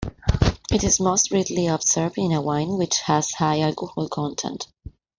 It is most readily observed in a wine which has a high alcohol content.